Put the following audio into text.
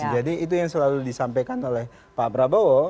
jadi itu yang selalu disampaikan oleh pak prabowo